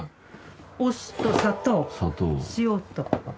お酢と砂糖塩と。